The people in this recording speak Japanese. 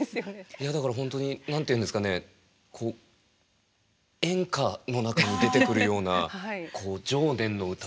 いやだから本当に何て言うんですかね演歌の中に出てくるようなこう情念の歌。